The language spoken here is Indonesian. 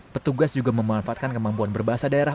petugas juga memanfaatkan kemampuan berbahasa daerah